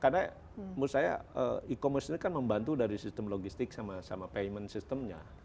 karena menurut saya e commerce ini kan membantu dari sistem logistik sama payment systemnya